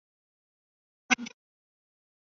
阿敏的六弟是济尔哈朗。